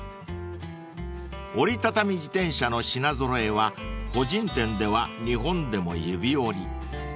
［折り畳み自転車の品揃えは個人店では日本でも指折り］